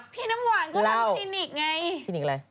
พี่น้ำหวานก็เล่าคลินิกไง